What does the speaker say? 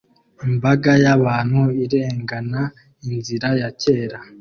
Imbaga y'abantu irengana inzira ya kera